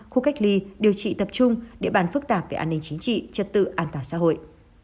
khu cách ly điều trị tập trung địa bàn phức tạp về an ninh chính trị trật tự an toàn xã hội